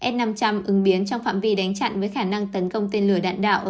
s năm trăm linh ứng biến trong phạm vi đánh chặn với khả năng tấn công tên lửa đạn đạo